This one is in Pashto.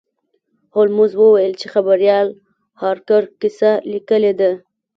هولمز وویل چې خبریال هارکر کیسه لیکلې ده.